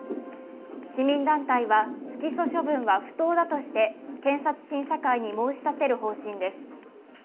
市民団体は、不起訴処分は不当だとして検察審査会に申し立てる方針です。